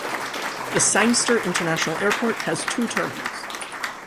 The Sangster International Airport has two terminals.